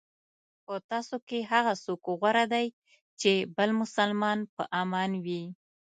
په تاسو کې هغه څوک غوره دی چې بل مسلمان په امان وي.